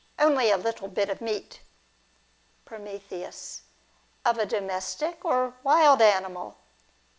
Only a little bit of meat. Prom. Of a domestic, or wild animal